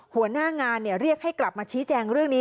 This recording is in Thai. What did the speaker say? หัวหน้างานเรียกให้กลับมาชี้แจงเรื่องนี้